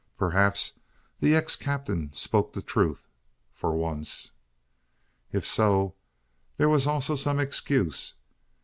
Perhaps the ex captain spoke the truth for once. If so, there was also some excuse.